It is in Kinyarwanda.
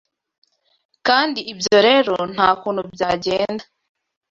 Kandi ibyo rero nta kuntu byagenda